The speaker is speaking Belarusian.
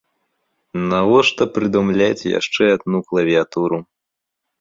Навошта прыдумляць яшчэ адну клавіятуру?